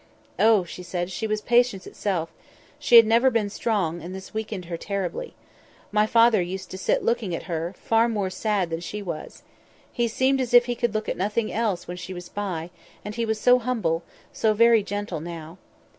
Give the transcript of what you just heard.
"Oh!" she said, "she was patience itself. She had never been strong, and this weakened her terribly. My father used to sit looking at her: far more sad than she was. He seemed as if he could look at nothing else when she was by; and he was so humble—so very gentle now.